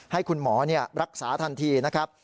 ให้คุณหมอรักษาทันทีนะครับ